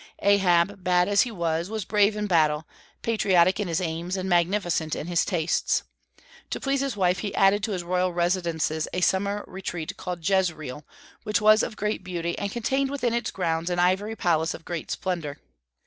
Ahab, bad as he was, was brave in battle, patriotic in his aims, and magnificent in his tastes. To please his wife he added to his royal residences a summer retreat called Jezreel, which was of great beauty, and contained within its grounds an ivory palace of great splendor.